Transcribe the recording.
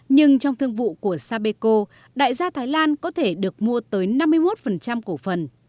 nhưng trong thương vụ của sapeco đại gia thái lan có thể được mua tới năm mươi một cổ phần